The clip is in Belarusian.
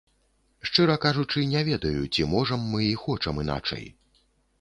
Шчыра кажучы, не ведаю, ці можам мы і хочам іначай.